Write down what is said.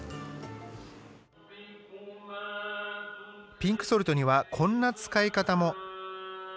ピンクソルトにはこんな使い方も。